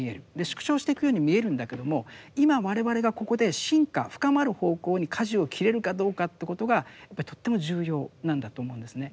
縮小していくように見えるんだけども今我々がここで深化深まる方向に舵を切れるかどうかということがやっぱりとっても重要なんだと思うんですね。